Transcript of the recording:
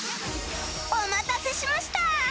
お待たせしました！